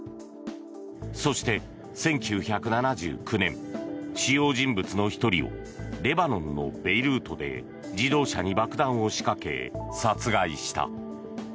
そして１９７９年主要人物の１人をレバノンのベイルートで自動車に爆弾を仕掛け殺害した。